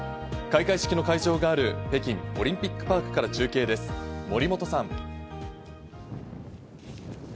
開会式の会場がある北京オリンピックパークから中継です、森本さん。